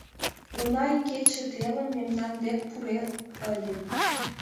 — Уна икече, телым, мемнан дек пурен ыле.